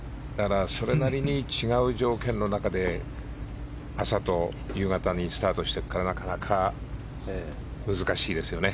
それなりに違う条件の中で朝と夕方にスタートしていくからなかなか難しいですよね。